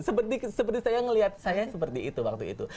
seperti saya melihat saya seperti itu waktu itu